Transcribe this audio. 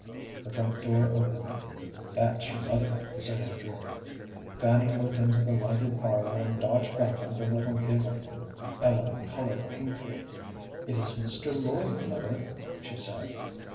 The front door opened. "That's your mother," said Andrew. Fanny looked into the lighted parlor, and dodged back with a little giggle. Ellen colored painfully. "It is Mr. Lloyd, mother," she said.